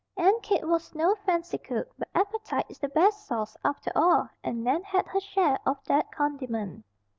Aunt Kate was no fancy cook; but appetite is the best sauce, after all, and Nan had her share of that condiment.